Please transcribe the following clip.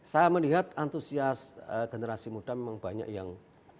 saya melihat antusias generasi muda memang banyak yang